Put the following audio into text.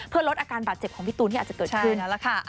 เพื่อลดอาการบาดเจ็บของพี่ตูนที่อาจจะเกิดขึ้น